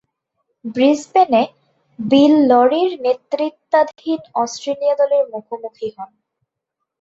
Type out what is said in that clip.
ব্রিসবেনে Bill লরি’র নেতৃত্বাধীন Australia দলের মুখোমুখি হন।